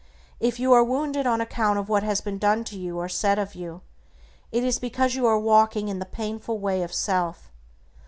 If you are wounded on account of what has been done to you or said of you, it is because you are walking in the painful way of self.